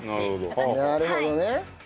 なるほどね。